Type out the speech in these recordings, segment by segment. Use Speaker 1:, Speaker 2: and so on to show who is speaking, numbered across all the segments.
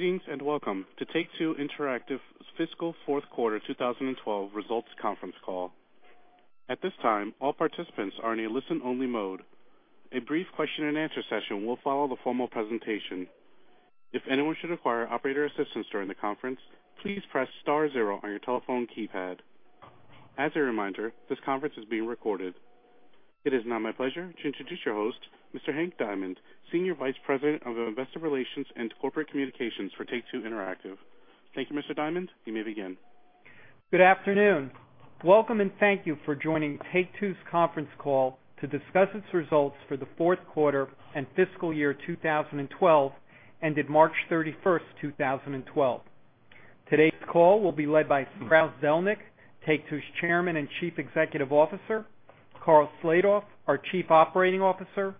Speaker 1: Greetings. Welcome to Take-Two Interactive's fiscal fourth quarter 2012 results conference call. At this time, all participants are in a listen-only mode. A brief question-and-answer session will follow the formal presentation. If anyone should require operator assistance during the conference, please press star zero on your telephone keypad. As a reminder, this conference is being recorded. It is now my pleasure to introduce your host, Mr. Hank Diamond, Senior Vice President of Investor Relations and Corporate Communications for Take-Two Interactive. Thank you, Mr. Diamond. You may begin.
Speaker 2: Good afternoon. Welcome. Thank you for joining Take-Two's conference call to discuss its results for the fourth quarter and fiscal year 2012, ended March 31, 2012. Today's call will be led by Strauss Zelnick, Take-Two's Chairman and Chief Executive Officer, Karl Slatoff, our Chief Operating Officer, and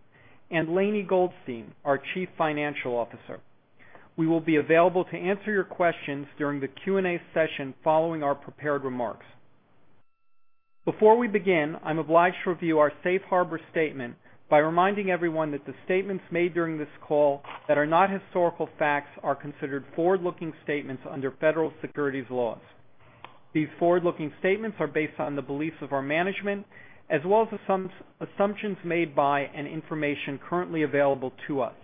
Speaker 2: Lainie Goldstein, our Chief Financial Officer. We will be available to answer your questions during the Q&A session following our prepared remarks. Before we begin, I'm obliged to review our safe harbor statement by reminding everyone that the statements made during this call that are not historical facts are considered forward-looking statements under federal securities laws. These forward-looking statements are based on the beliefs of our management as well as assumptions made by and information currently available to us.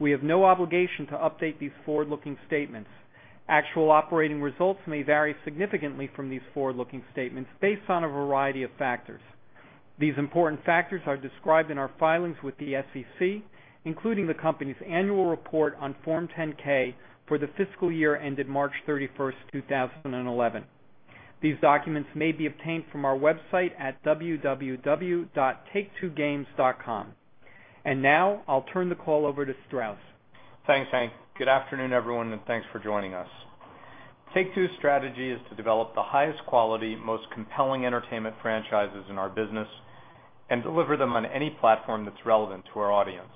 Speaker 2: We have no obligation to update these forward-looking statements. Actual operating results may vary significantly from these forward-looking statements based on a variety of factors. These important factors are described in our filings with the SEC, including the company's annual report on Form 10-K for the fiscal year ended March 31, 2011. These documents may be obtained from our website at www.take2games.com. Now I'll turn the call over to Strauss.
Speaker 3: Thanks, Hank. Good afternoon, everyone. Thanks for joining us. Take-Two's strategy is to develop the highest quality, most compelling entertainment franchises in our business and deliver them on any platform that's relevant to our audience.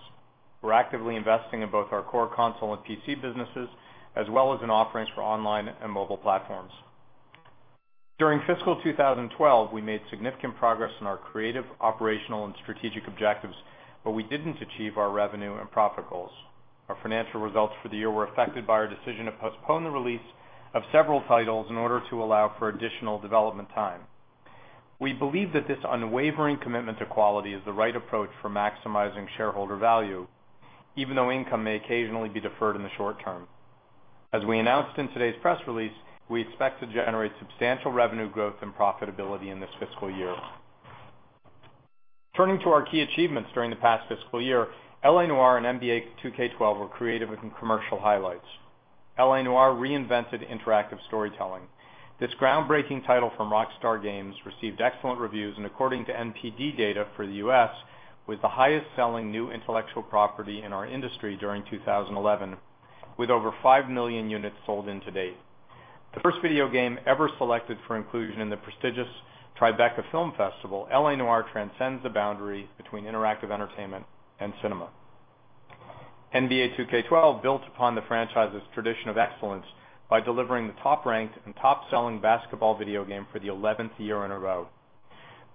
Speaker 3: We're actively investing in both our core console and PC businesses as well as in offerings for online and mobile platforms. During fiscal 2012, we made significant progress in our creative, operational, and strategic objectives. We didn't achieve our revenue and profit goals. Our financial results for the year were affected by our decision to postpone the release of several titles in order to allow for additional development time. We believe that this unwavering commitment to quality is the right approach for maximizing shareholder value, even though income may occasionally be deferred in the short term. As we announced in today's press release, we expect to generate substantial revenue growth and profitability in this fiscal year. Turning to our key achievements during the past fiscal year, L.A. Noire and NBA 2K12 were creative and commercial highlights. L.A. Noire reinvented interactive storytelling. This groundbreaking title from Rockstar Games received excellent reviews and according to NPD data for the U.S., was the highest-selling new intellectual property in our industry during 2011, with over 5 million units sold to date. The first video game ever selected for inclusion in the prestigious Tribeca Film Festival, L.A. Noire transcends the boundary between interactive entertainment and cinema. NBA 2K12 built upon the franchise's tradition of excellence by delivering the top-ranked and top-selling basketball video game for the 11th year in a row.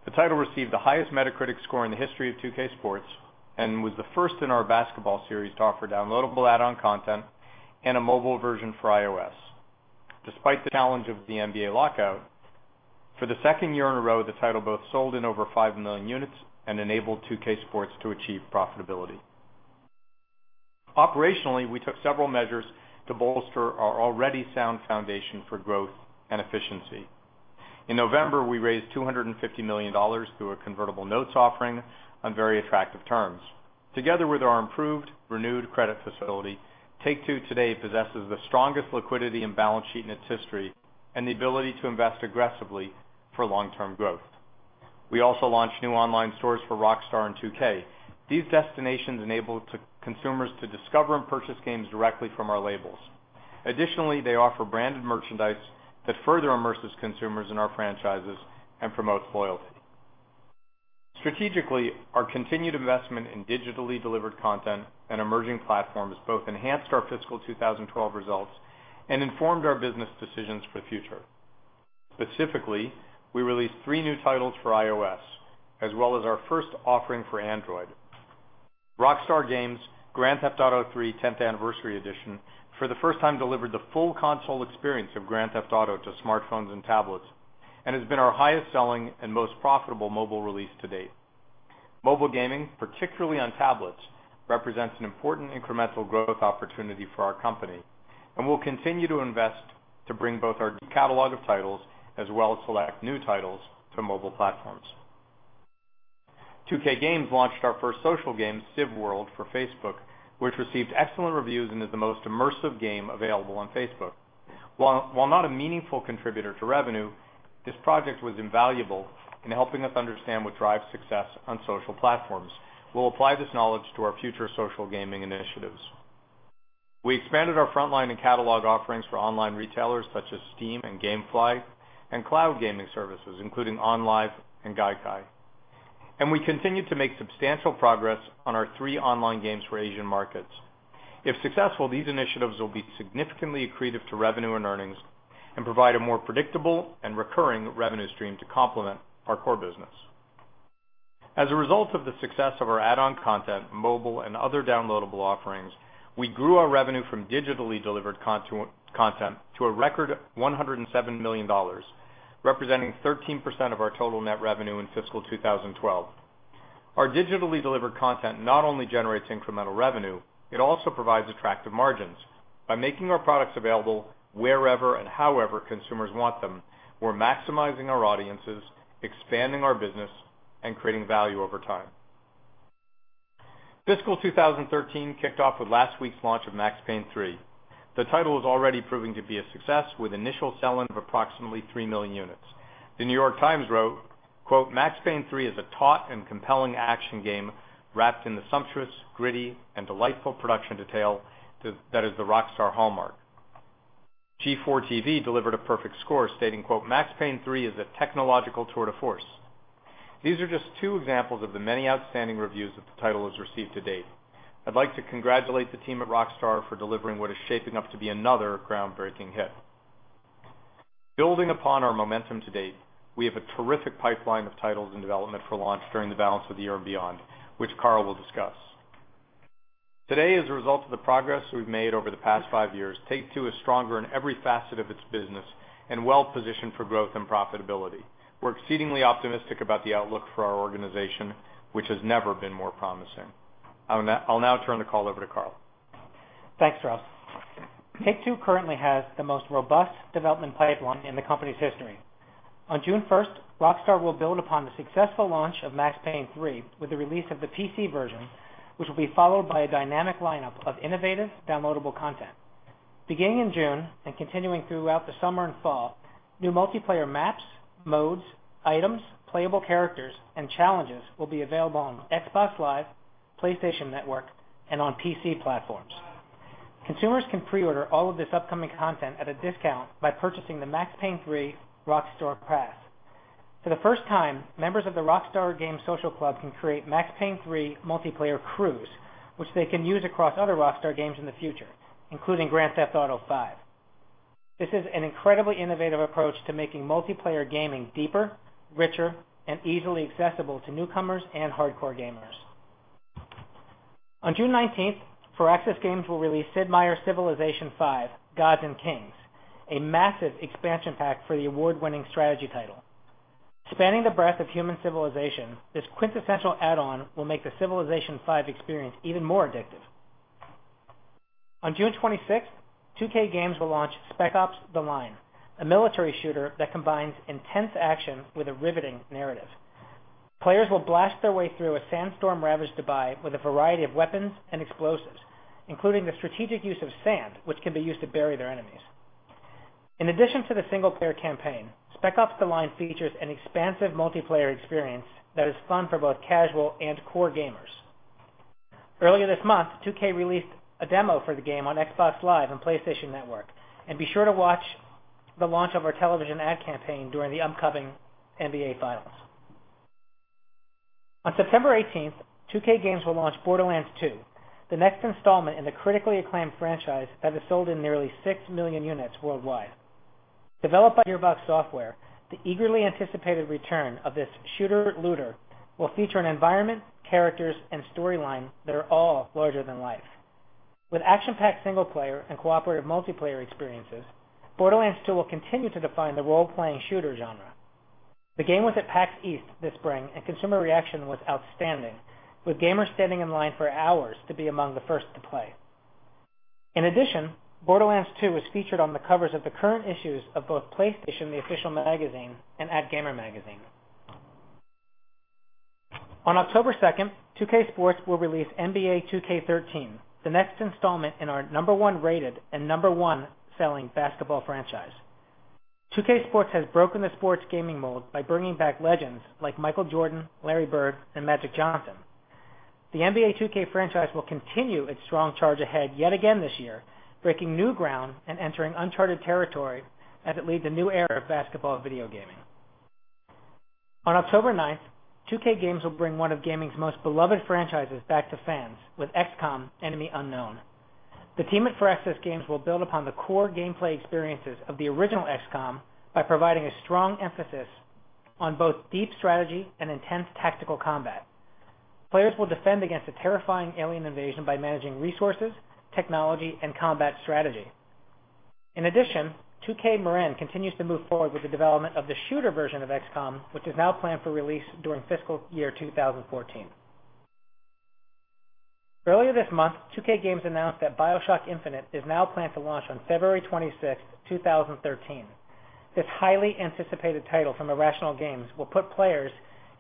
Speaker 3: The title received the highest Metacritic score in the history of 2K Sports and was the first in our basketball series to offer downloadable add-on content and a mobile version for iOS. Despite the challenge of the NBA lockout, for the second year in a row, the title both sold in over 5 million units and enabled 2K Sports to achieve profitability. Operationally, we took several measures to bolster our already sound foundation for growth and efficiency. In November, we raised $250 million through a convertible notes offering on very attractive terms. Together with our improved, renewed credit facility, Take-Two today possesses the strongest liquidity and balance sheet in its history and the ability to invest aggressively for long-term growth. We also launched new online stores for Rockstar and 2K. These destinations enable consumers to discover and purchase games directly from our labels. Additionally, they offer branded merchandise that further immerses consumers in our franchises and promotes loyalty. Strategically, our continued investment in digitally delivered content and emerging platforms both enhanced our fiscal 2012 results and informed our business decisions for the future. Specifically, we released three new titles for iOS, as well as our first offering for Android. Rockstar Games' Grand Theft Auto III: 10 Anniversary Edition, for the first time, delivered the full console experience of Grand Theft Auto to smartphones and tablets and has been our highest-selling and most profitable mobile release to date. Mobile gaming, particularly on tablets, represents an important incremental growth opportunity for our company, and we'll continue to invest to bring both our deep catalog of titles as well as select new titles to mobile platforms. 2K Games launched our first social game, CivWorld, for Facebook, which received excellent reviews and is the most immersive game available on Facebook. While not a meaningful contributor to revenue, this project was invaluable in helping us understand what drives success on social platforms. We'll apply this knowledge to our future social gaming initiatives. We expanded our frontline and catalog offerings for online retailers such as Steam and GameFly and cloud gaming services including OnLive and Gaikai. We continued to make substantial progress on our three online games for Asian markets. If successful, these initiatives will be significantly accretive to revenue and earnings and provide a more predictable and recurring revenue stream to complement our core business. As a result of the success of our add-on content, mobile, and other downloadable offerings, we grew our revenue from digitally delivered content to a record $107 million, representing 13% of our total net revenue in fiscal 2012. Our digitally delivered content not only generates incremental revenue, it also provides attractive margins. By making our products available wherever and however consumers want them, we're maximizing our audiences, expanding our business, and creating value over time. Fiscal 2013 kicked off with last week's launch of "Max Payne 3." The title is already proving to be a success, with initial sell-in of approximately 3 million units. The New York Times wrote, quote, "Max Payne 3 is a taut and compelling action game wrapped in the sumptuous, gritty, and delightful production detail that is the Rockstar hallmark." G4 TV delivered a perfect score, stating, quote, "Max Payne 3 is a technological tour de force." These are just two examples of the many outstanding reviews that the title has received to date. I'd like to congratulate the team at Rockstar for delivering what is shaping up to be another groundbreaking hit. Building upon our momentum to date, we have a terrific pipeline of titles in development for launch during the balance of the year and beyond, which Karl will discuss. Today, as a result of the progress we've made over the past five years, Take-Two is stronger in every facet of its business and well-positioned for growth and profitability. We're exceedingly optimistic about the outlook for our organization, which has never been more promising. I'll now turn the call over to Karl.
Speaker 4: Thanks, Strauss. Take-Two currently has the most robust development pipeline in the company's history. On June 1st, Rockstar will build upon the successful launch of "Max Payne 3" with the release of the PC version, which will be followed by a dynamic lineup of innovative downloadable content. Beginning in June and continuing throughout the summer and fall, new multiplayer maps, modes, items, playable characters, and challenges will be available on Xbox Live, PlayStation Network, and on PC platforms. Consumers can pre-order all of this upcoming content at a discount by purchasing the "Max Payne 3" Rockstar Pass. For the first time, members of the Rockstar Games Social Club can create "Max Payne 3" multiplayer Crews, which they can use across other Rockstar games in the future, including "Grand Theft Auto V." This is an incredibly innovative approach to making multiplayer gaming deeper, richer, and easily accessible to newcomers and hardcore gamers. On June 19th, Firaxis Games will release "Sid Meier's Civilization V: Gods & Kings," a massive expansion pack for the award-winning strategy title. Spanning the breadth of human civilization, this quintessential add-on will make the "Civilization V" experience even more addictive. On June 26th, 2K Games will launch "Spec Ops: The Line," a military shooter that combines intense action with a riveting narrative. Players will blast their way through a sandstorm-ravaged Dubai with a variety of weapons and explosives, including the strategic use of sand, which can be used to bury their enemies. In addition to the single-player campaign, "Spec Ops: The Line" features an expansive multiplayer experience that is fun for both casual and core gamers. Earlier this month, 2K released a demo for the game on Xbox Live and PlayStation Network. Be sure to watch the launch of our television ad campaign during the upcoming NBA Finals. On September 18th, 2K Games will launch "Borderlands 2," the next installment in the critically acclaimed franchise that has sold in nearly six million units worldwide. Developed by Gearbox Software, the eagerly anticipated return of this shooter-looter will feature an environment, characters, and storyline that are all larger than life. With action-packed single-player and cooperative multiplayer experiences, "Borderlands 2" will continue to define the role-playing shooter genre. The game was at PAX East this spring, and consumer reaction was outstanding, with gamers standing in line for hours to be among the first to play. In addition, "Borderlands 2" was featured on the covers of the current issues of both PlayStation: The Official Magazine and Game Informer. On October 2nd, 2K Sports will release "NBA 2K13," the next installment in our number one rated and number one selling basketball franchise. 2K Sports has broken the sports gaming mold by bringing back legends like Michael Jordan, Larry Bird, and Magic Johnson. The "NBA 2K" franchise will continue its strong charge ahead yet again this year, breaking new ground and entering uncharted territory as it leads a new era of basketball video gaming. On October 9th, 2K Games will bring one of gaming's most beloved franchises back to fans with "XCOM: Enemy Unknown." The team at Firaxis Games will build upon the core gameplay experiences of the original "XCOM" by providing a strong emphasis on both deep strategy and intense tactical combat. Players will defend against a terrifying alien invasion by managing resources, technology, and combat strategy. In addition, 2K Marin continues to move forward with the development of the shooter version of "XCOM," which is now planned for release during fiscal year 2014. Earlier this month, 2K Games announced that "BioShock Infinite" is now planned to launch on February 26, 2013. This highly anticipated title from Irrational Games will put players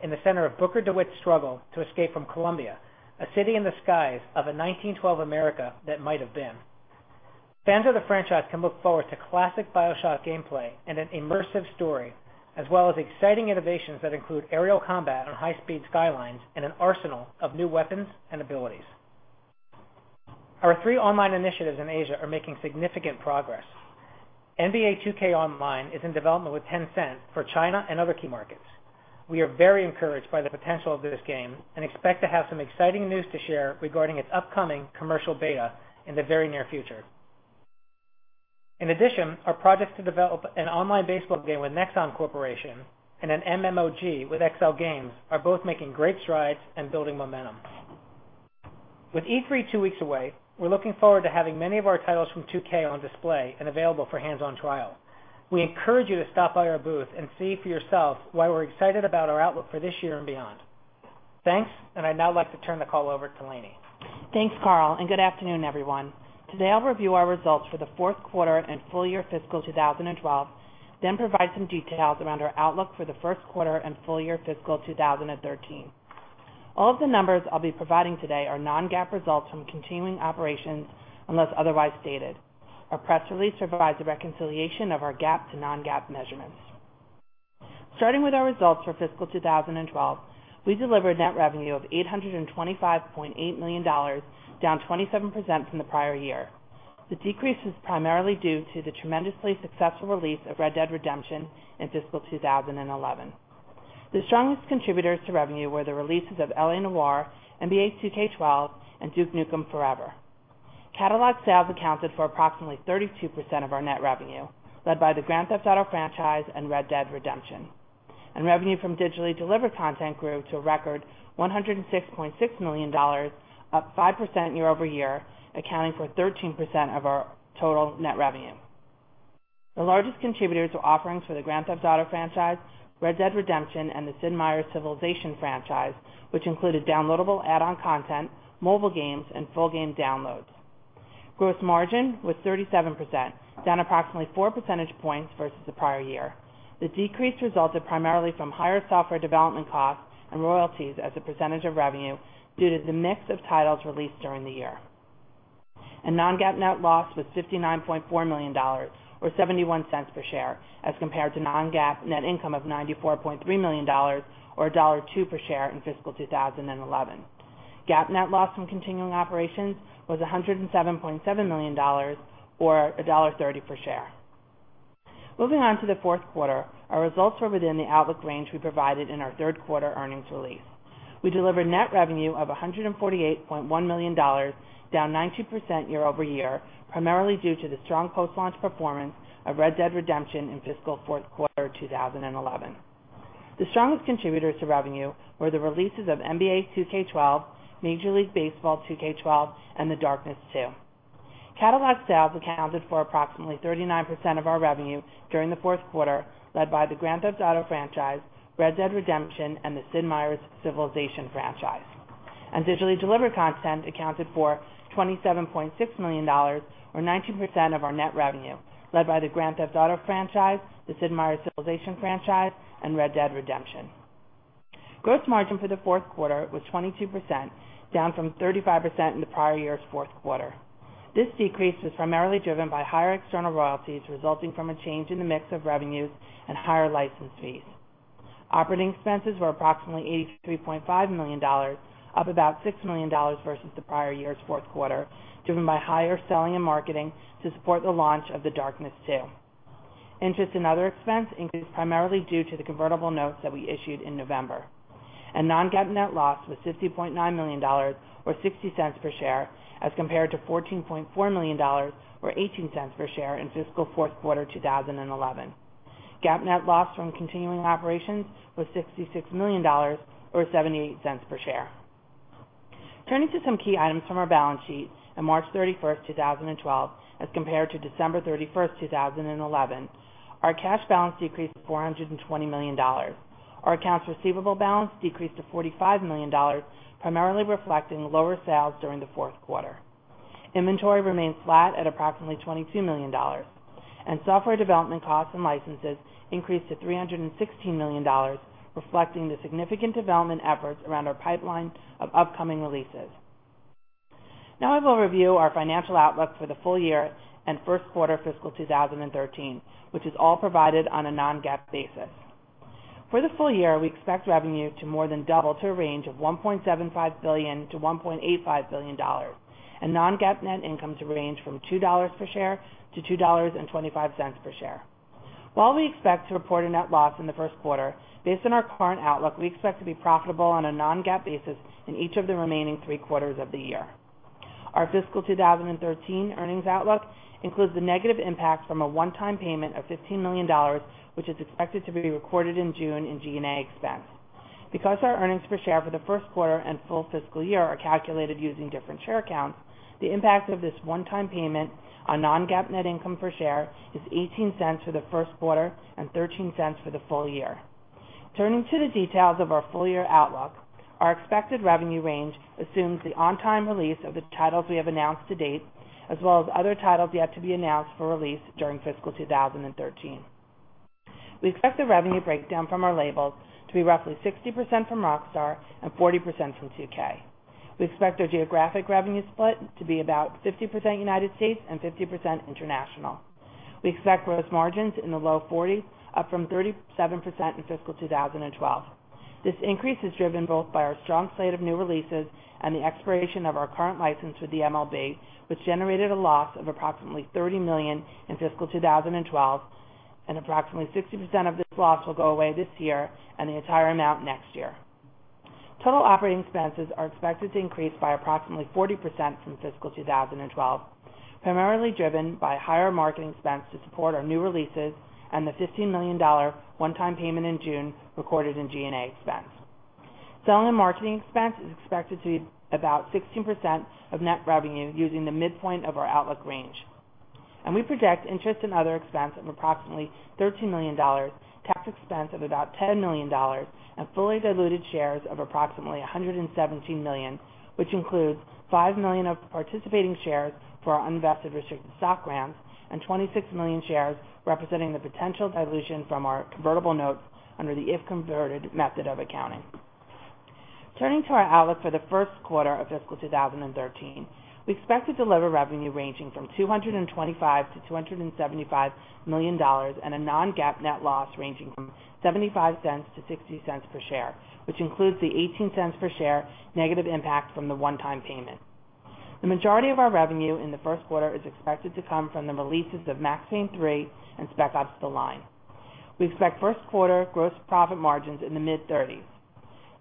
Speaker 4: in the center of Booker DeWitt's struggle to escape from Columbia, a city in the skies of a 1912 America that might have been. Fans of the franchise can look forward to classic BioShock gameplay and an immersive story, as well as exciting innovations that include aerial combat on high-speed skylines and an arsenal of new weapons and abilities. Our three online initiatives in Asia are making significant progress. NBA 2K Online is in development with Tencent for China and other key markets. We are very encouraged by the potential of this game and expect to have some exciting news to share regarding its upcoming commercial beta in the very near future. In addition, our projects to develop an online baseball game with Nexon Corporation and an MMOG with XL Games are both making great strides and building momentum. With E3 two weeks away, we're looking forward to having many of our titles from 2K on display and available for hands-on trial. We encourage you to stop by our booth and see for yourself why we're excited about our outlook for this year and beyond. Thanks, I'd now like to turn the call over to Lainie.
Speaker 5: Thanks, Karl, good afternoon, everyone. Today, I'll review our results for the fourth quarter and full year fiscal 2012, then provide some details around our outlook for the first quarter and full year fiscal 2013. All of the numbers I'll be providing today are non-GAAP results from continuing operations unless otherwise stated. Our press release provides a reconciliation of our GAAP to non-GAAP measurements. Starting with our results for fiscal 2012, we delivered net revenue of $825.8 million, down 27% from the prior year. The decrease is primarily due to the tremendously successful release of Red Dead Redemption in fiscal 2011. The strongest contributors to revenue were the releases of L.A. Noire. NBA 2K12, and Duke Nukem Forever. Catalog sales accounted for approximately 32% of our net revenue, led by the Grand Theft Auto franchise and Red Dead Redemption, and revenue from digitally delivered content grew to a record $106.6 million, up 5% year-over-year, accounting for 13% of our total net revenue. The largest contributors were offerings for the Grand Theft Auto franchise, Red Dead Redemption, and the Sid Meier's Civilization franchise, which included downloadable add-on content, mobile games, and full game downloads. Gross margin was 37%, down approximately four percentage points versus the prior year. The decrease resulted primarily from higher software development costs and royalties as a percentage of revenue due to the mix of titles released during the year. Non-GAAP net loss was $59.4 million, or $0.71 per share, as compared to non-GAAP net income of $94.3 million or $1.02 per share in fiscal 2011. GAAP net loss from continuing operations was $107.7 million or $1.30 per share. Moving on to the fourth quarter, our results were within the outlook range we provided in our third quarter earnings release. We delivered net revenue of $148.1 million, down 19% year-over-year, primarily due to the strong post-launch performance of "Red Dead Redemption" in fiscal fourth quarter 2011. The strongest contributors to revenue were the releases of "NBA 2K12," "Major League Baseball 2K12," and "The Darkness II." Catalog sales accounted for approximately 39% of our revenue during the fourth quarter, led by the "Grand Theft Auto" franchise, "Red Dead Redemption," and the "Sid Meier's Civilization" franchise. Digitally delivered content accounted for $27.6 million, or 19% of our net revenue, led by the "Grand Theft Auto" franchise, the "Sid Meier's Civilization" franchise, and "Red Dead Redemption." Gross margin for the fourth quarter was 22%, down from 35% in the prior year's fourth quarter. This decrease was primarily driven by higher external royalties resulting from a change in the mix of revenues and higher license fees. Operating expenses were approximately $83.5 million, up about $6 million versus the prior year's fourth quarter, driven by higher selling and marketing to support the launch of "The Darkness II." Interest in other expense increased primarily due to the convertible notes that we issued in November. Non-GAAP net loss was $50.9 million, or $0.60 per share, as compared to $14.4 million, or $0.18 per share in fiscal fourth quarter 2011. GAAP net loss from continuing operations was $66 million or $0.78 per share. Turning to some key items from our balance sheet on March 31, 2012 as compared to December 31, 2011. Our cash balance decreased to $420 million. Our accounts receivable balance decreased to $45 million, primarily reflecting lower sales during the fourth quarter. Inventory remained flat at approximately $22 million, and software development costs and licenses increased to $316 million, reflecting the significant development efforts around our pipeline of upcoming releases. Now I will review our financial outlook for the full year and first quarter fiscal 2013, which is all provided on a non-GAAP basis. For the full year, we expect revenue to more than double to a range of $1.75 billion-$1.85 billion, and non-GAAP net income to range from $2 per share-$2.25 per share. While we expect to report a net loss in the first quarter, based on our current outlook, we expect to be profitable on a non-GAAP basis in each of the remaining three quarters of the year. Our fiscal 2013 earnings outlook includes the negative impact from a one-time payment of $15 million, which is expected to be recorded in June in G&A expense. Because our earnings per share for the first quarter and full fiscal year are calculated using different share counts, the impact of this one-time payment on non-GAAP net income per share is $0.18 for the first quarter and $0.13 for the full year. Turning to the details of our full-year outlook, our expected revenue range assumes the on-time release of the titles we have announced to date, as well as other titles yet to be announced for release during fiscal 2013. We expect the revenue breakdown from our labels to be roughly 60% from Rockstar and 40% from 2K. We expect our geographic revenue split to be about 50% U.S. and 50% international. We expect gross margins in the low 40s, up from 37% in fiscal 2012. This increase is driven both by our strong slate of new releases and the expiration of our current license with the MLB, which generated a loss of approximately $30 million in fiscal 2012, and approximately 60% of this loss will go away this year and the entire amount next year. Total operating expenses are expected to increase by approximately 40% from fiscal 2012, primarily driven by higher marketing expense to support our new releases and the $15 million one-time payment in June recorded in G&A expense. Selling and marketing expense is expected to be about 16% of net revenue using the midpoint of our outlook range. We project interest and other expense of approximately $13 million, tax expense of about $10 million, and fully diluted shares of approximately 117 million, which includes 5 million of participating shares for our unvested restricted stock grants and 26 million shares representing the potential dilution from our convertible notes under the if-converted method of accounting. Turning to our outlook for the first quarter of fiscal 2013, we expect to deliver revenue ranging from $225 million-$275 million and a non-GAAP net loss ranging from $0.75-$0.60 per share, which includes the $0.18 per share negative impact from the one-time payment. The majority of our revenue in the first quarter is expected to come from the releases of "Max Payne 3" and "Spec Ops: The Line." We expect first quarter gross profit margins in the mid-30s.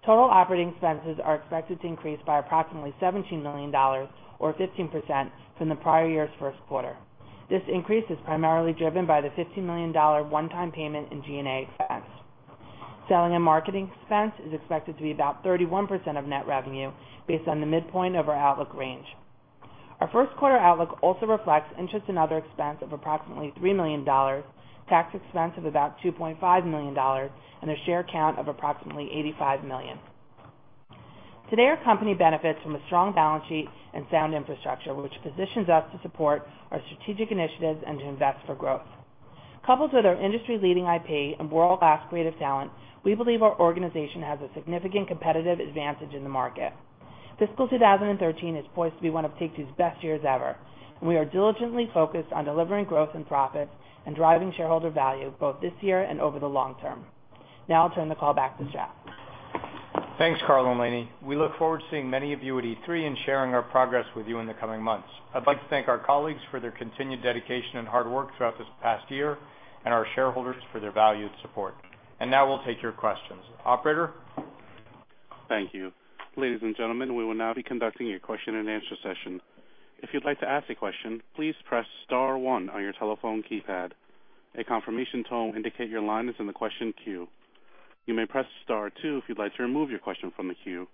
Speaker 5: Total operating expenses are expected to increase by approximately $17 million or 15% from the prior year's first quarter. This increase is primarily driven by the $15 million one-time payment in G&A expense. Selling and marketing expense is expected to be about 31% of net revenue based on the midpoint of our outlook range. Our first quarter outlook also reflects interest in other expense of approximately $3 million, tax expense of about $2.5 million, and a share count of approximately 85 million. Today, our company benefits from a strong balance sheet and sound infrastructure, which positions us to support our strategic initiatives and to invest for growth. Coupled with our industry leading IP and world-class creative talent, we believe our organization has a significant competitive advantage in the market. Fiscal 2013 is poised to be one of Take-Two's best years ever. We are diligently focused on delivering growth and profits and driving shareholder value both this year and over the long term. Now I'll turn the call back to Strauss Zelnick.
Speaker 3: Thanks, Karl and Lainie. We look forward to seeing many of you at E3 and sharing our progress with you in the coming months. I'd like to thank our colleagues for their continued dedication and hard work throughout this past year and our shareholders for their valued support. Now we'll take your questions. Operator?
Speaker 1: Thank you. Ladies and gentlemen, we will now be conducting a question and answer session. If you'd like to ask a question, please press *1 on your telephone keypad. A confirmation tone will indicate your line is in the question queue. You may press *2 if you'd like to remove your question from the queue.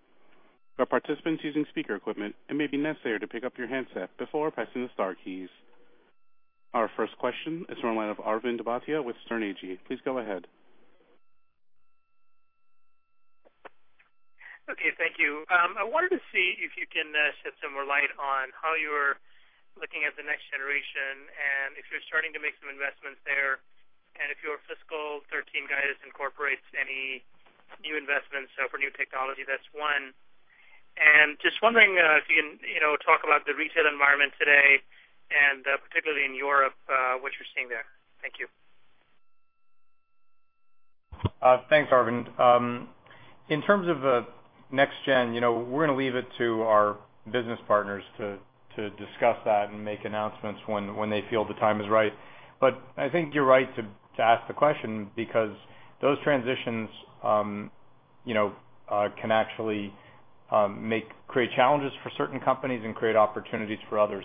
Speaker 1: For participants using speaker equipment, it may be necessary to pick up your handset before pressing the star keys. Our first question is from the line of Arvind Bhatia with Sterne Agee. Please go ahead.
Speaker 6: Okay, thank you. I wanted to see if you can shed some more light on how you're looking at the next generation, and if you're starting to make some investments there, and if your fiscal 2013 guidance incorporates any new investments for new technology. That's one. Just wondering if you can talk about the retail environment today and particularly in Europe, what you're seeing there. Thank you.
Speaker 3: Thanks, Arvind. In terms of next gen, we're going to leave it to our business partners to discuss that and make announcements when they feel the time is right. I think you're right to ask the question because those transitions can actually create challenges for certain companies and create opportunities for others.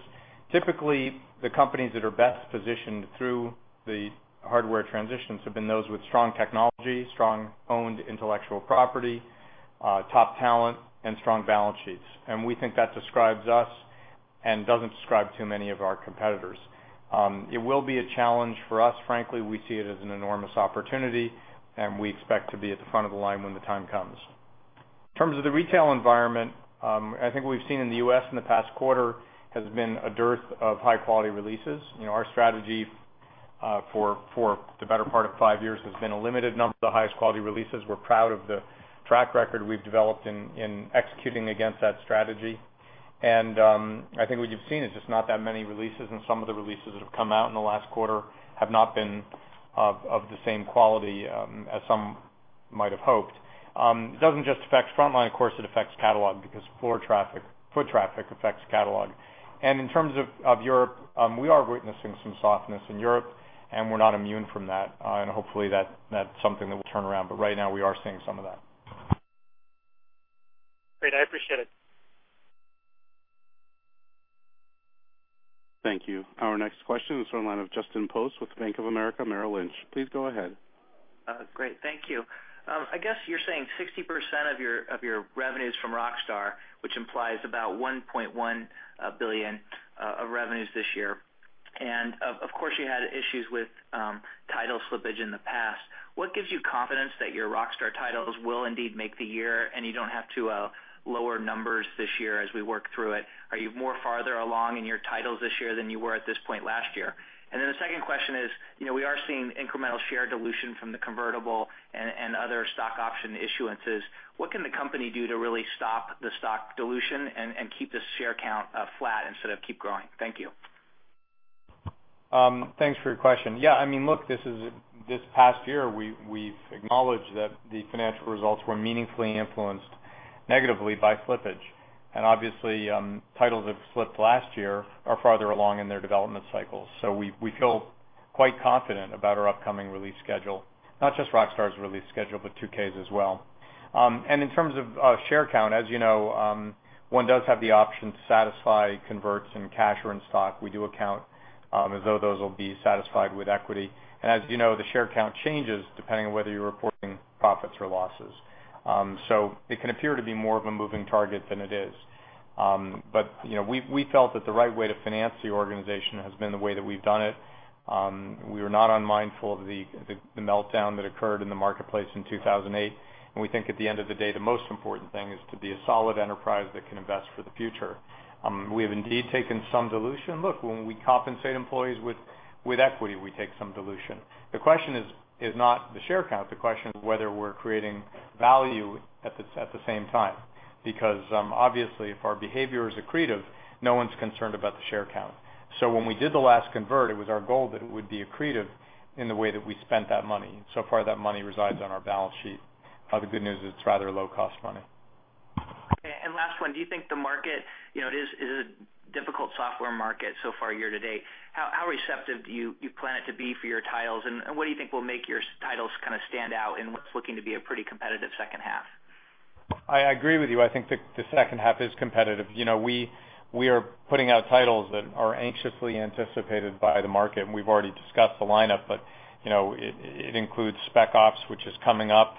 Speaker 3: Typically, the companies that are best positioned through the hardware transitions have been those with strong technology, strong owned intellectual property, top talent, and strong balance sheets. We think that describes us and doesn't describe too many of our competitors. It will be a challenge for us. Frankly, we see it as an enormous opportunity, and we expect to be at the front of the line when the time comes. In terms of the retail environment, I think what we've seen in the U.S. in the past quarter has been a dearth of high-quality releases. Our strategy for the better part of five years has been a limited number of the highest quality releases. We're proud of the track record we've developed in executing against that strategy. I think what you've seen is just not that many releases, and some of the releases that have come out in the last quarter have not been of the same quality as some might have hoped. It doesn't just affect frontline, of course, it affects catalog because foot traffic affects catalog. In terms of Europe, we are witnessing some softness in Europe, and we're not immune from that. Hopefully that's something that will turn around. Right now, we are seeing some of that.
Speaker 6: Great. I appreciate it.
Speaker 1: Thank you. Our next question is from the line of Justin Post with Bank of America Merrill Lynch. Please go ahead.
Speaker 7: Great. Thank you. I guess you're saying 60% of your revenue's from Rockstar, which implies about $1.1 billion of revenues this year. Of course, you had issues with title slippage in the past. What gives you confidence that your Rockstar titles will indeed make the year, and you don't have to lower numbers this year as we work through it? Are you more farther along in your titles this year than you were at this point last year? Then the second question is, we are seeing incremental share dilution from the convertible and other stock option issuances. What can the company do to really stop the stock dilution and keep the share count flat instead of keep growing? Thank you.
Speaker 3: Thanks for your question. Yeah, this past year, we've acknowledged that the financial results were meaningfully influenced negatively by slippage. Obviously, titles that slipped last year are farther along in their development cycles. We feel quite confident about our upcoming release schedule, not just Rockstar's release schedule, but 2K's as well. In terms of share count, as you know, one does have the option to satisfy converts in cash or in stock. We do account as though those will be satisfied with equity. As you know, the share count changes depending on whether you're reporting profits or losses. It can appear to be more of a moving target than it is. We felt that the right way to finance the organization has been the way that we've done it. We are not unmindful of the meltdown that occurred in the marketplace in 2008, and we think at the end of the day, the most important thing is to be a solid enterprise that can invest for the future. We have indeed taken some dilution. Look, when we compensate employees with equity, we take some dilution. The question is not the share count. The question is whether we're creating value at the same time. Obviously if our behavior is accretive, no one's concerned about the share count. When we did the last convert, it was our goal that it would be accretive in the way that we spent that money. So far, that money resides on our balance sheet. The good news is it's rather low-cost money.
Speaker 7: Last one, do you think the market, it is a difficult software market so far year to date? How receptive do you plan it to be for your titles, what do you think will make your titles stand out in what's looking to be a pretty competitive second half?
Speaker 3: I agree with you. I think the second half is competitive. We are putting out titles that are anxiously anticipated by the market, we've already discussed the lineup. It includes "Spec Ops," which is coming up,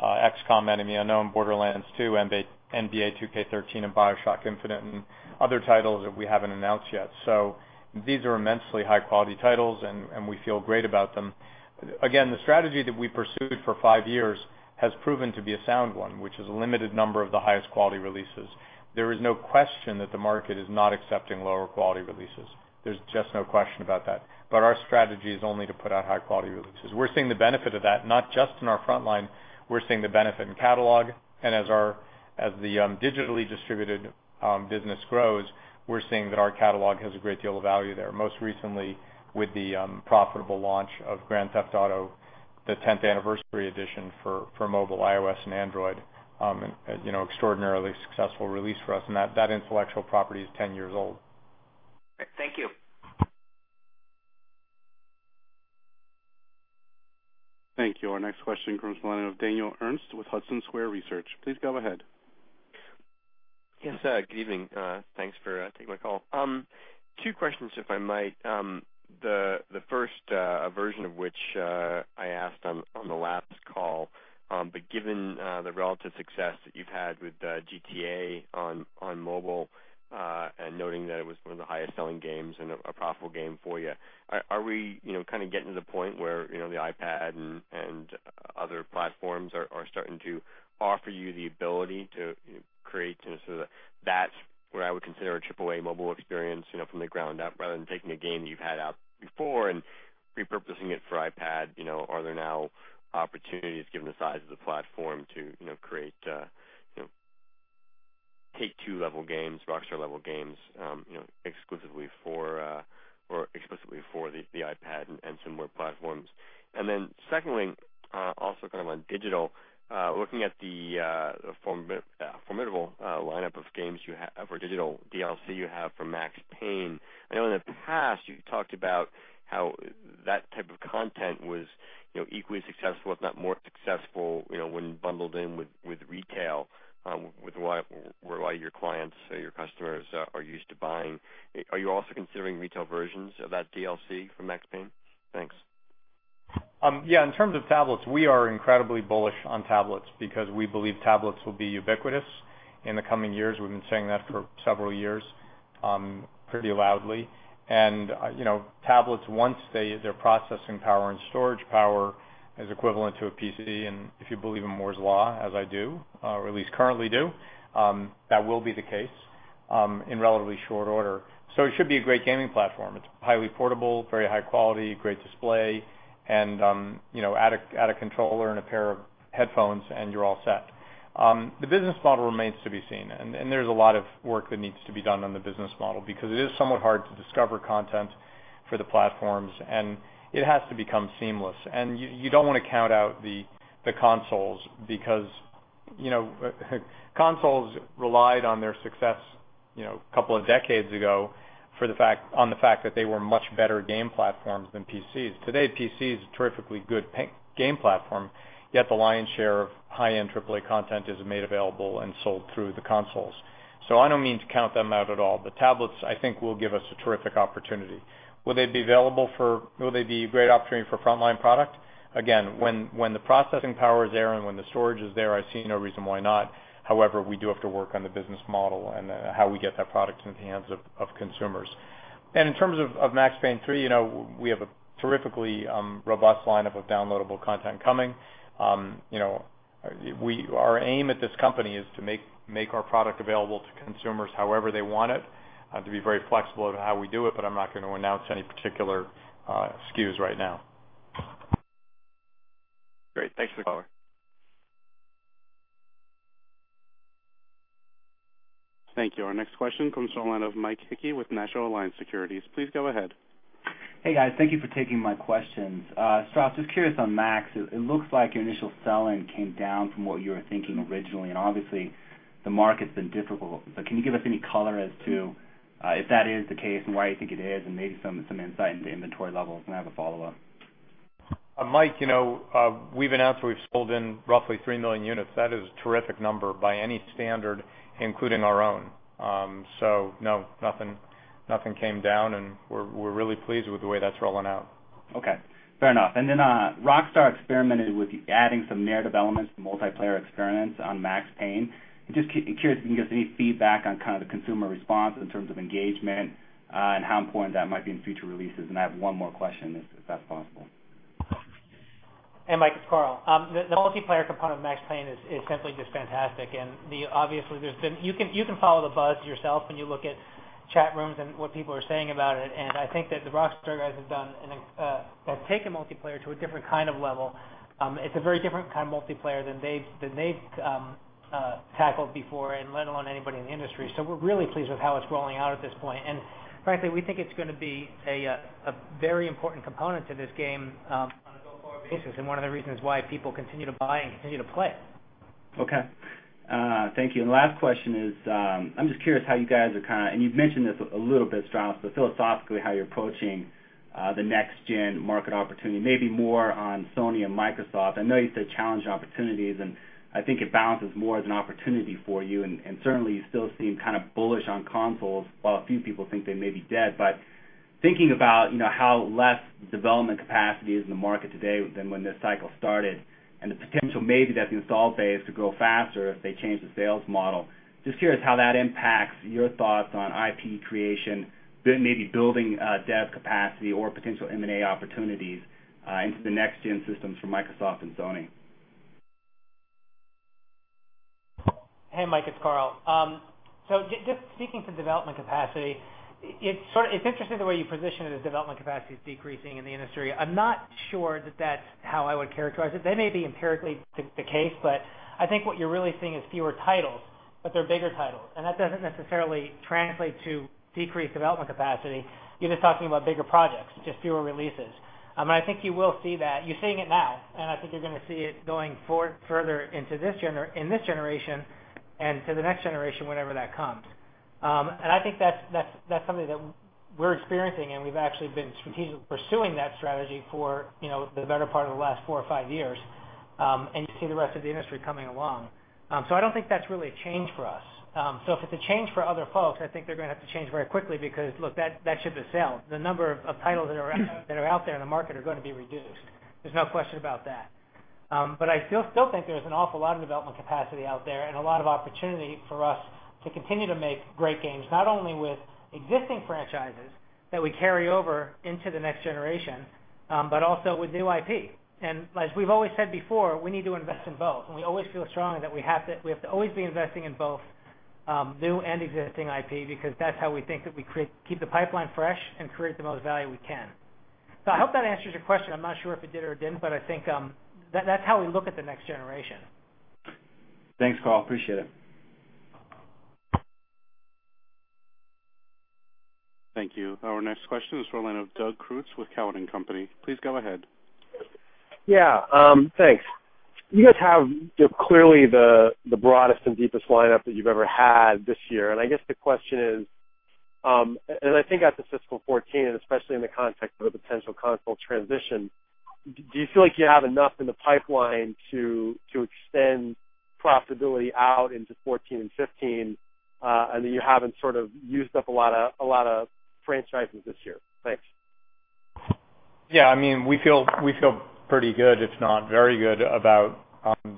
Speaker 3: "XCOM: Enemy Unknown," "Borderlands 2," "NBA 2K13," and "BioShock Infinite," and other titles that we haven't announced yet. These are immensely high-quality titles, and we feel great about them. Again, the strategy that we pursued for five years has proven to be a sound one, which is a limited number of the highest quality releases. There is no question that the market is not accepting lower quality releases. There's just no question about that. Our strategy is only to put out high-quality releases. We're seeing the benefit of that, not just in our frontline. We're seeing the benefit in catalog, as the digitally distributed business grows, we're seeing that our catalog has a great deal of value there. Most recently with the profitable launch of "Grand Theft Auto III: 10 Year Anniversary Edition" for mobile iOS and Android, an extraordinarily successful release for us. That intellectual property is 10 years old.
Speaker 7: Thank you.
Speaker 1: Thank you. Our next question comes from the line of Daniel Ernst with Hudson Square Research. Please go ahead.
Speaker 8: Yes. Good evening. Thanks for taking my call. Two questions, if I might. The first version of which I asked on the last call, given the relative success that you've had with GTA on mobile, and noting that it was one of the highest selling games and a profitable game for you, are we getting to the point where the iPad and other platforms are starting to offer you the ability to create that's what I would consider a triple-A mobile experience from the ground up, rather than taking a game that you've had out before and repurposing it for iPad? Are there now opportunities, given the size of the platform, to create Take-Two level games, Rockstar level games, exclusively for the iPad and similar platforms? Secondly, also on digital, looking at the formidable lineup of games for digital DLC you have for "Max Payne." I know in the past you talked about how that type of content was equally successful, if not more successful when bundled in with retail, where a lot of your clients or your customers are used to buying. Are you also considering retail versions of that DLC for "Max Payne?" Thanks.
Speaker 3: In terms of tablets, we are incredibly bullish on tablets because we believe tablets will be ubiquitous in the coming years. We've been saying that for several years, pretty loudly. Tablets, once their processing power and storage power is equivalent to a PC, and if you believe in Moore's Law as I do, or at least currently do, that will be the case in relatively short order. It should be a great gaming platform. It's highly portable, very high quality, great display, add a controller and a pair of headphones and you're all set. The business model remains to be seen, and there's a lot of work that needs to be done on the business model because it is somewhat hard to discover content for the platforms, and it has to become seamless. You don't want to count out the consoles because consoles relied on their success a couple of decades ago on the fact that they were much better game platforms than PCs. Today, PC is a terrifically good game platform, yet the lion's share of high-end triple-A content is made available and sold through the consoles. I don't mean to count them out at all. The tablets, I think, will give us a terrific opportunity. Will they be a great opportunity for frontline product? Again, when the processing power is there and when the storage is there, I see no reason why not. However, we do have to work on the business model and how we get that product into the hands of consumers. In terms of "Max Payne 3," we have a terrifically robust lineup of downloadable content coming. Our aim at this company is to make our product available to consumers however they want it, to be very flexible in how we do it, I'm not going to announce any particular SKUs right now.
Speaker 8: Great. Thanks for the call.
Speaker 1: Thank you. Our next question comes from the line of Mike Hickey with National Alliance Securities. Please go ahead.
Speaker 9: Hey, guys. Thank you for taking my questions. Strauss, just curious on Max. It looks like your initial sell-in came down from what you were thinking originally, and obviously the market's been difficult. Can you give us any color as to if that is the case and why you think it is, and maybe some insight into inventory levels? I have a follow-up.
Speaker 3: Mike, we've announced we've sold in roughly three million units. That is a terrific number by any standard, including our own. No, nothing came down, and we're really pleased with the way that's rolling out.
Speaker 9: Okay, fair enough. Rockstar experimented with adding some narrative elements to the multiplayer experience on "Max Payne." Just curious if you can give us any feedback on the consumer response in terms of engagement and how important that might be in future releases? I have one more question if that's possible.
Speaker 4: Hey, Mike, it's Karl. The multiplayer component of "Max Payne" is simply just fantastic. Obviously, you can follow the buzz yourself when you look at chat rooms and what people are saying about it. I think that the Rockstar guys have taken multiplayer to a different kind of level. It's a very different kind of multiplayer than they've tackled before, let alone anybody in the industry. We're really pleased with how it's rolling out at this point. Frankly, we think it's going to be a very important component to this game on a go-forward basis, and one of the reasons why people continue to buy and continue to play it.
Speaker 9: Okay. Thank you. Last question is, I'm just curious how you guys are-- you've mentioned this a little bit, Strauss, philosophically, how you're approaching the next-gen market opportunity, maybe more on Sony and Microsoft. I know you said challenging opportunities, I think it balances more as an opportunity for you. Certainly, you still seem bullish on consoles, while a few people think they may be dead. Thinking about how less development capacity is in the market today than when this cycle started and the potential maybe that the install base could grow faster if they change the sales model, just curious how that impacts your thoughts on IP creation, maybe building dev capacity or potential M&A opportunities into the next-gen systems from Microsoft and Sony.
Speaker 4: Hey, Mike, it's Karl. Just speaking to development capacity, it's interesting the way you position it, as development capacity is decreasing in the industry. I'm not sure that that's how I would characterize it. That may be empirically the case, I think what you're really seeing is fewer titles, but they're bigger titles. That doesn't necessarily translate to decreased development capacity. You're just talking about bigger projects, just fewer releases. I think you will see that. You're seeing it now, I think you're going to see it going further in this generation and to the next generation, whenever that comes. I think that's something that we're experiencing, we've actually been strategically pursuing that strategy for the better part of the last four or five years. You see the rest of the industry coming along. I don't think that's really a change for us. If it's a change for other folks, I think they're going to have to change very quickly because, look, that ship has sailed. The number of titles that are out there in the market are going to be reduced. There's no question about that. I still think there's an awful lot of development capacity out there and a lot of opportunity for us to continue to make great games, not only with existing franchises that we carry over into the next generation, but also with new IP. As we've always said before, we need to invest in both, and we always feel strongly that we have to always be investing in both new and existing IP because that's how we think that we keep the pipeline fresh and create the most value we can. I hope that answers your question. I'm not sure if it did or didn't. I think that's how we look at the next generation.
Speaker 9: Thanks, Karl. Appreciate it.
Speaker 1: Thank you. Our next question is from the line of Doug Creutz with Cowen and Company. Please go ahead.
Speaker 10: Yeah. Thanks. You guys have clearly the broadest and deepest lineup that you've ever had this year. I guess the question is, I think out to fiscal 2014, especially in the context of a potential console transition, do you feel like you have enough in the pipeline to extend profitability out into 2014 and 2015, that you haven't sort of used up a lot of franchises this year? Thanks.
Speaker 3: Yeah, we feel pretty good, if not very good, about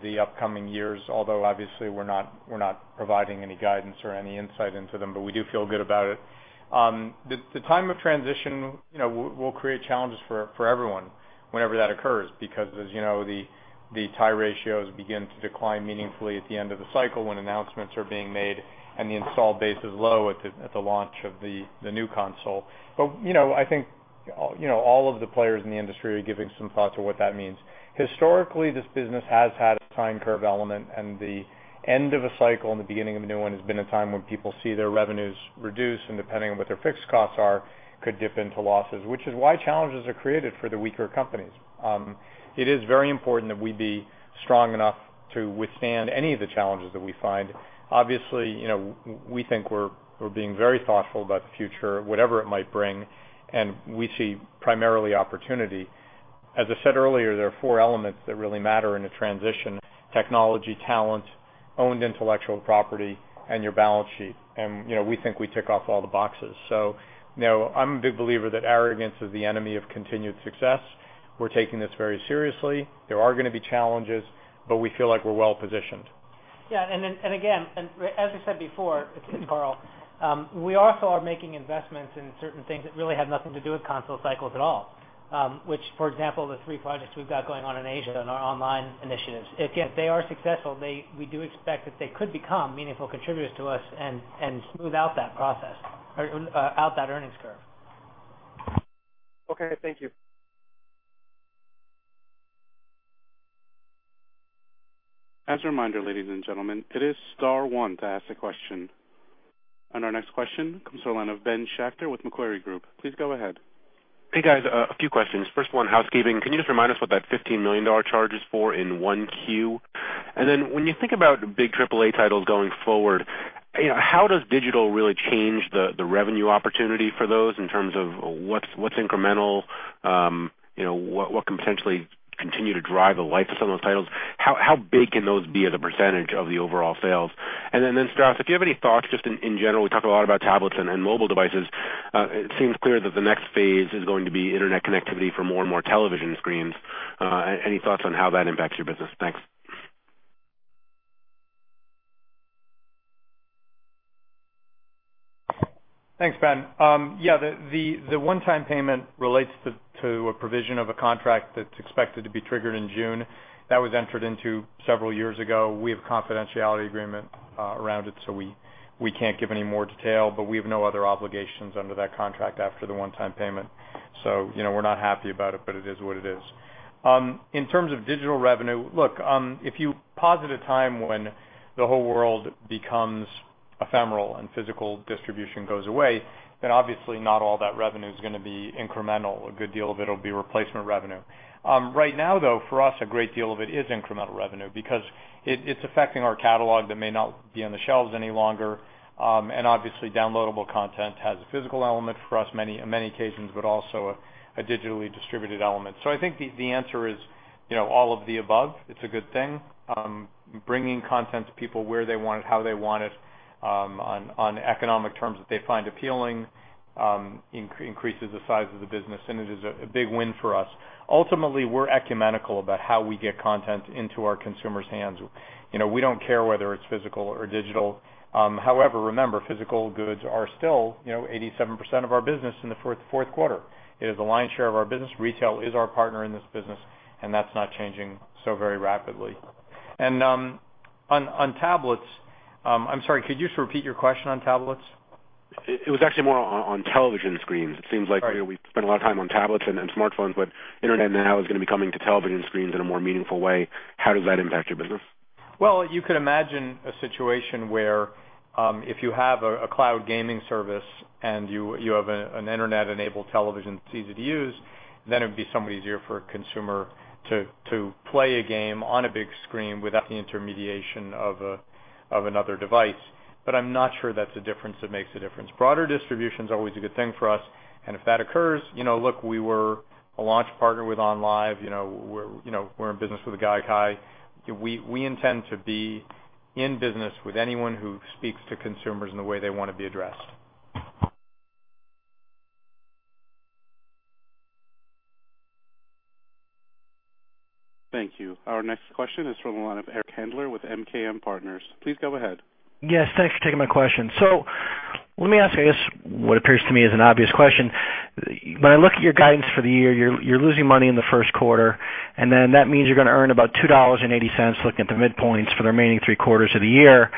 Speaker 3: the upcoming years, although obviously we're not providing any guidance or any insight into them, but we do feel good about it. The time of transition will create challenges for everyone whenever that occurs because as the tie ratios begin to decline meaningfully at the end of the cycle when announcements are being made and the install base is low at the launch of the new console. I think all of the players in the industry are giving some thought to what that means. Historically, this business has had a time curve element, the end of a cycle and the beginning of a new one has been a time when people see their revenues reduce, depending on what their fixed costs are, could dip into losses, which is why challenges are created for the weaker companies. It is very important that we be strong enough to withstand any of the challenges that we find. Obviously, we think we're being very thoughtful about the future, whatever it might bring, and we see primarily opportunity. As I said earlier, there are four elements that really matter in a transition: technology, talent, owned intellectual property, and your balance sheet. We think we tick off all the boxes. I'm a big believer that arrogance is the enemy of continued success. We're taking this very seriously. There are going to be challenges, we feel like we're well-positioned.
Speaker 4: Yeah. Again, as I said before, it's Karl. We also are making investments in certain things that really have nothing to do with console cycles at all, which, for example, the three projects we've got going on in Asia and our online initiatives. If they are successful, we do expect that they could become meaningful contributors to us and smooth out that process or out that earnings curve.
Speaker 10: Okay. Thank you.
Speaker 1: As a reminder, ladies and gentlemen, it is star one to ask a question. Our next question comes from the line of Ben Schachter with Macquarie Group. Please go ahead.
Speaker 11: Hey, guys. A few questions. First one, housekeeping. Can you just remind us what that $15 million charge is for in 1Q? When you think about big AAA titles going forward, how does digital really change the revenue opportunity for those in terms of what's incremental, what can potentially continue to drive the life of some of those titles? How big can those be as a percentage of the overall sales? Then, Strauss, if you have any thoughts, just in general, we talk a lot about tablets and mobile devices. It seems clear that the next phase is going to be internet connectivity for more and more television screens. Any thoughts on how that impacts your business? Thanks.
Speaker 3: Thanks, Ben. Yeah, the one-time payment relates to a provision of a contract that's expected to be triggered in June that was entered into several years ago. We have a confidentiality agreement around it, so we can't give any more detail, but we have no other obligations under that contract after the one-time payment. We're not happy about it, but it is what it is. In terms of digital revenue, look, if you posit a time when the whole world becomes ephemeral and physical distribution goes away, then obviously not all that revenue is going to be incremental. A good deal of it will be replacement revenue. Right now, though, for us, a great deal of it is incremental revenue because it's affecting our catalog that may not be on the shelves any longer. Obviously downloadable content has a physical element for us in many cases, but also a digitally distributed element. I think the answer is all of the above. It's a good thing. Bringing content to people where they want it, how they want it, on economic terms that they find appealing increases the size of the business. It is a big win for us. Ultimately, we're ecumenical about how we get content into our consumers' hands. We don't care whether it's physical or digital. Remember, physical goods are still 87% of our business in the fourth quarter. It is the lion's share of our business. Retail is our partner in this business, and that's not changing so very rapidly. On tablets, I'm sorry, could you just repeat your question on tablets?
Speaker 11: It was actually more on television screens.
Speaker 3: Sorry.
Speaker 11: It seems like we spend a lot of time on tablets and smartphones, but Internet now is going to be coming to television screens in a more meaningful way. How does that impact your business?
Speaker 3: You could imagine a situation where if you have a cloud gaming service and you have an internet-enabled television that's easy to use, it would be so much easier for a consumer to play a game on a big screen without the intermediation of another device. I'm not sure that's a difference that makes a difference. Broader distribution is always a good thing for us. If that occurs, look, we were a launch partner with OnLive. We're in business with Gaikai. We intend to be in business with anyone who speaks to consumers in the way they want to be addressed.
Speaker 1: Thank you. Our next question is from the line of Eric Handler with MKM Partners. Please go ahead.
Speaker 12: Yes, thanks for taking my question. Let me ask, I guess, what appears to me is an obvious question. When I look at your guidance for the year, you're losing money in the first quarter. That means you're going to earn about $2.80 looking at the midpoints for the remaining three quarters of the year.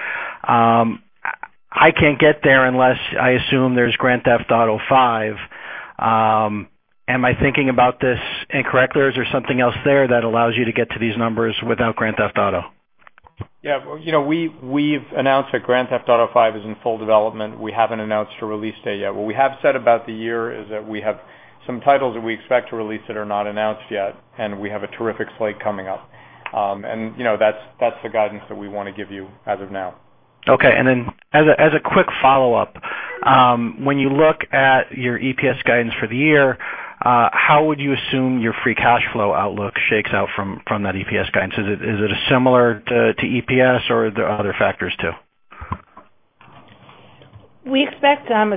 Speaker 12: I can't get there unless I assume there's "Grand Theft Auto V." Am I thinking about this incorrectly, or is there something else there that allows you to get to these numbers without "Grand Theft Auto?
Speaker 3: Yeah. We've announced that "Grand Theft Auto V" is in full development. We haven't announced a release date yet. What we have said about the year is that we have some titles that we expect to release that are not announced yet. We have a terrific slate coming up. That's the guidance that we want to give you as of now.
Speaker 12: Okay, as a quick follow-up, when you look at your EPS guidance for the year, how would you assume your free cash flow outlook shakes out from that EPS guidance? Is it similar to EPS or are there other factors, too?
Speaker 5: We expect from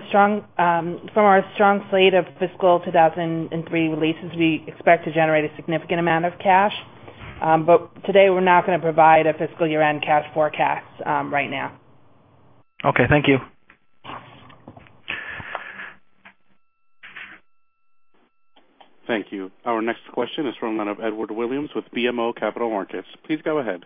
Speaker 5: our strong slate of fiscal 2013 releases, we expect to generate a significant amount of cash. Today we're not going to provide a fiscal year-end cash forecast right now.
Speaker 12: Okay, thank you.
Speaker 1: Thank you. Our next question is from the line of Edward Williams with BMO Capital Markets. Please go ahead.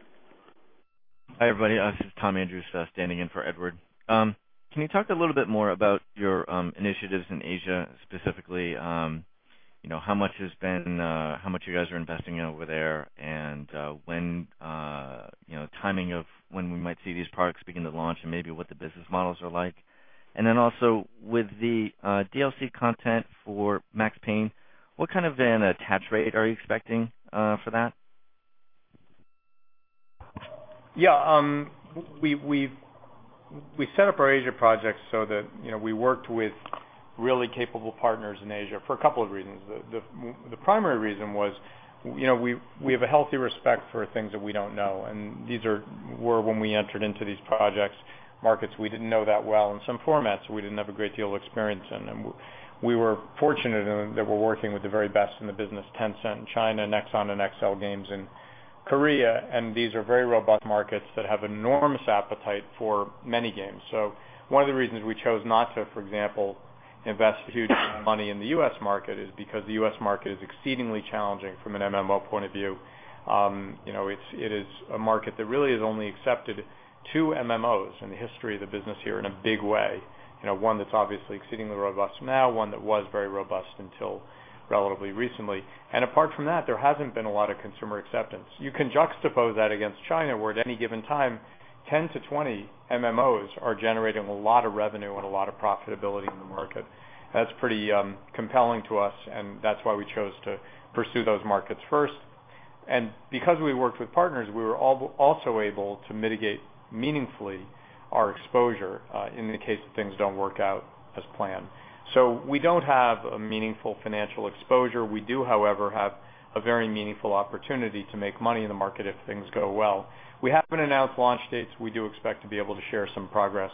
Speaker 13: Hi, everybody. This is Tom Andrews standing in for Edward. Can you talk a little bit more about your initiatives in Asia, specifically, how much you guys are investing over there and timing of when we might see these products begin to launch and maybe what the business models are like. Also with the DLC content for Max Payne, what kind of an attach rate are you expecting for that?
Speaker 3: We set up our Asia projects so that we worked with really capable partners in Asia for a couple of reasons. The primary reason was we have a healthy respect for things that we don't know, and these were, when we entered into these projects, markets we didn't know that well. In some formats, we didn't have a great deal of experience in them. We were fortunate in that we're working with the very best in the business, Tencent in China, Nexon and XL Games in Korea, and these are very robust markets that have enormous appetite for many games. One of the reasons we chose not to, for example, invest huge money in the U.S. market is because the U.S. market is exceedingly challenging from an MMO point of view. It is a market that really has only accepted two MMOs in the history of the business here in a big way. One that's obviously exceedingly robust now, one that was very robust until relatively recently. Apart from that, there hasn't been a lot of consumer acceptance. You can juxtapose that against China, where at any given time, 10 to 20 MMOs are generating a lot of revenue and a lot of profitability in the market. That's pretty compelling to us, and that's why we chose to pursue those markets first. Because we worked with partners, we were also able to mitigate meaningfully our exposure in the case that things don't work out as planned. We don't have a meaningful financial exposure. We do, however, have a very meaningful opportunity to make money in the market if things go well. We haven't announced launch dates. We do expect to be able to share some progress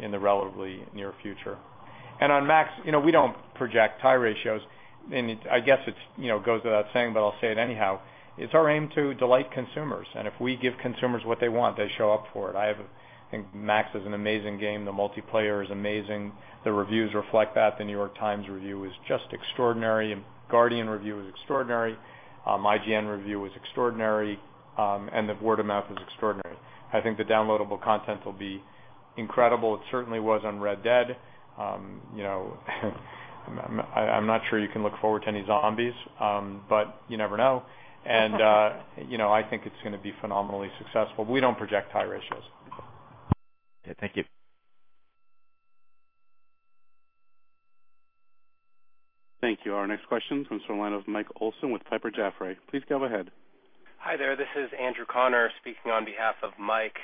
Speaker 3: in the relatively near future. On Max, we don't project tie ratios. I guess it goes without saying, but I'll say it anyhow, it's our aim to delight consumers. If we give consumers what they want, they show up for it. I think Max is an amazing game. The multiplayer is amazing. The reviews reflect that. The New York Times review is just extraordinary. Guardian review is extraordinary. IGN review is extraordinary. The word of mouth is extraordinary. I think the downloadable content will be incredible. It certainly was on Red Dead. I'm not sure you can look forward to any zombies, but you never know. I think it's going to be phenomenally successful. We don't project tie ratios.
Speaker 13: Okay, thank you.
Speaker 1: Thank you. Our next question is from the line of Michael Olson with Piper Jaffray. Please go ahead.
Speaker 14: Hi there. This is Andrew Connor speaking on behalf of Mike.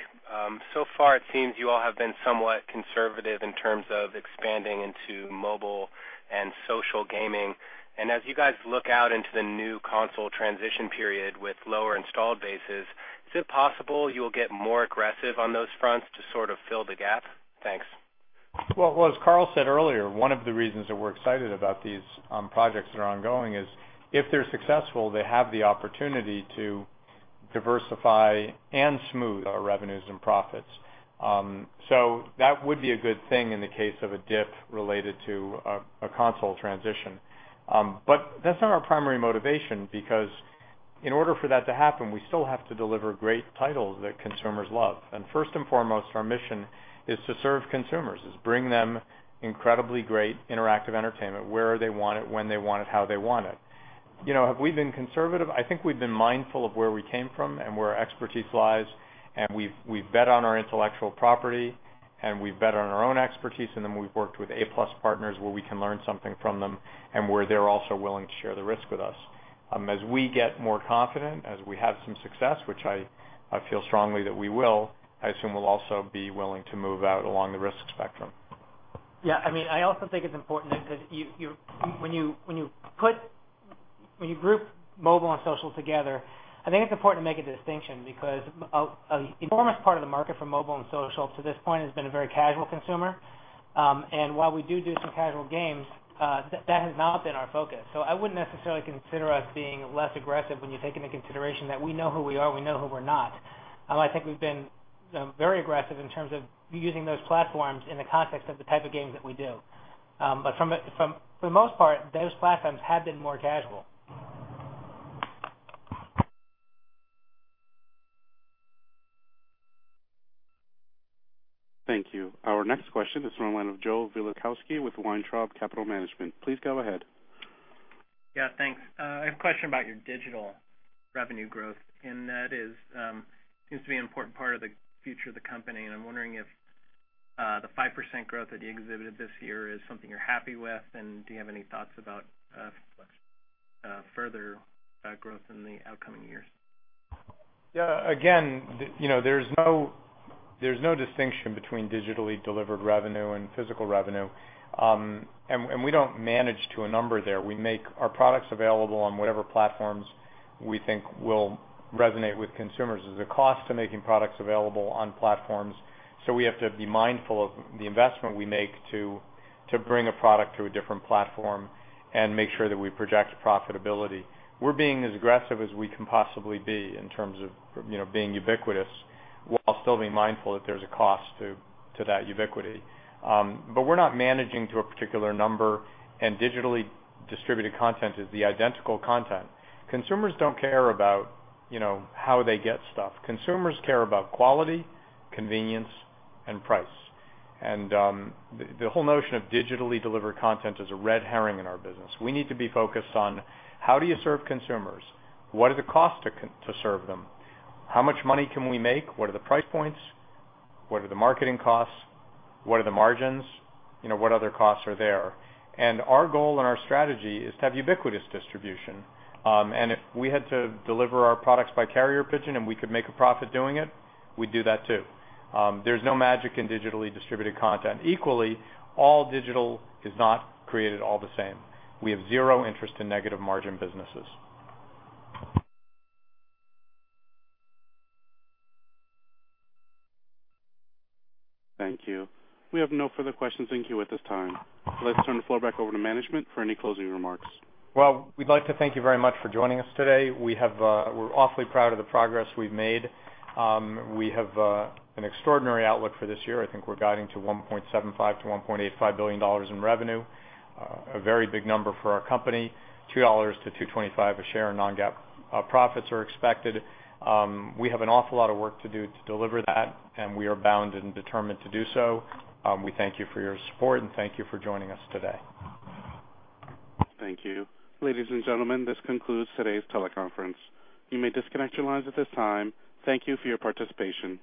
Speaker 14: So far it seems you all have been somewhat conservative in terms of expanding into mobile and social gaming. As you guys look out into the new console transition period with lower installed bases, is it possible you'll get more aggressive on those fronts to sort of fill the gap? Thanks.
Speaker 3: Well, as Karl said earlier, one of the reasons that we're excited about these projects that are ongoing is if they're successful, they have the opportunity to diversify and smooth our revenues and profits. That would be a good thing in the case of a dip related to a console transition. That's not our primary motivation because in order for that to happen, we still have to deliver great titles that consumers love. First and foremost, our mission is to serve consumers, is bring them incredibly great interactive entertainment where they want it, when they want it, how they want it. Have we been conservative? I think we've been mindful of where we came from and where our expertise lies, we've bet on our intellectual property, and we've bet on our own expertise, then we've worked with A-plus partners where we can learn something from them and where they're also willing to share the risk with us. As we get more confident, as we have some success, which I feel strongly that we will, I assume we'll also be willing to move out along the risk spectrum.
Speaker 4: Yeah, I also think it's important that when you group mobile and social together, I think it's important to make a distinction because an enormous part of the market for mobile and social to this point has been a very casual consumer. While we do some casual games, that has not been our focus. I wouldn't necessarily consider us being less aggressive when you take into consideration that we know who we are, we know who we're not. I think we've been very aggressive in terms of using those platforms in the context of the type of games that we do. For the most part, those platforms have been more casual.
Speaker 1: Thank you. Our next question is from the line of Joe Vilikowski with Weintraub Capital Management. Please go ahead.
Speaker 15: Yeah, thanks. I have a question about your digital revenue growth, and that seems to be an important part of the future of the company. I'm wondering if the 5% growth that you exhibited this year is something you're happy with, and do you have any thoughts about further growth in the upcoming years?
Speaker 3: Yeah. Again, there's no distinction between digitally delivered revenue and physical revenue. We don't manage to a number there. We make our products available on whatever platforms we think will resonate with consumers. There's a cost to making products available on platforms, so we have to be mindful of the investment we make to bring a product to a different platform and make sure that we project profitability. We're being as aggressive as we can possibly be in terms of being ubiquitous, while still being mindful that there's a cost to that ubiquity. We're not managing to a particular number. Digitally distributed content is the identical content. Consumers don't care about how they get stuff. Consumers care about quality, convenience, and price. The whole notion of digitally delivered content is a red herring in our business. We need to be focused on how do you serve consumers? What are the costs to serve them? How much money can we make? What are the price points? What are the marketing costs? What are the margins? What other costs are there? Our goal and our strategy is to have ubiquitous distribution. If we had to deliver our products by carrier pigeon and we could make a profit doing it, we'd do that, too. There's no magic in digitally distributed content. Equally, all digital is not created all the same. We have zero interest in negative margin businesses.
Speaker 1: Thank you. We have no further questions in queue at this time. I'd like to turn the floor back over to management for any closing remarks.
Speaker 3: Well, we'd like to thank you very much for joining us today. We're awfully proud of the progress we've made. We have an extraordinary outlook for this year. I think we're guiding to $1.75 to $1.85 billion in revenue. A very big number for our company, $2 to $2.25 a share in non-GAAP profits are expected. We have an awful lot of work to do to deliver that. We are bound and determined to do so. We thank you for your support. Thank you for joining us today.
Speaker 1: Thank you. Ladies and gentlemen, this concludes today's teleconference. You may disconnect your lines at this time. Thank you for your participation.